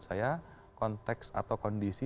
saya konteks atau kondisi